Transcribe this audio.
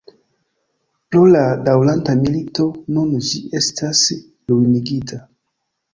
Pro la daŭranta milito nun ĝi estas ruinigita.